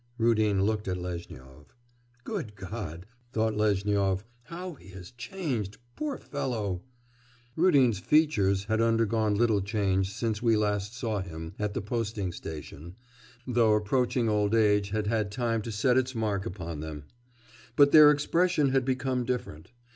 Rudin looked at Lezhnyov. 'Good God!' thought Lezhnyov, 'how he has changed, poor fellow!' Rudin's features had undergone little change since we saw him last at the posting station, though approaching old age had had time to set its mark upon them; but their expression had become different.